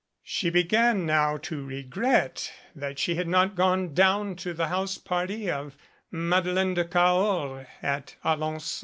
She began now to regret that she had not gone down to the house party of Madeleine de Cahors at Alen9on.